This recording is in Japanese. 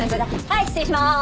はい失礼しまーす！